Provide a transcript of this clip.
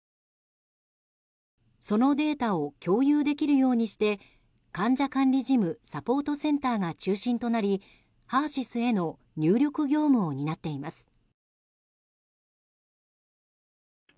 そのデータを共有できるようにして患者管理事務サポートセンターが中心となりＨＥＲ‐ＳＹＳへの入力業務を担っています。